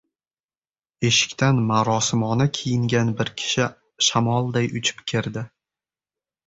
Eshikdan marosimona kiyingan bir kishi shamolday uchib kirdi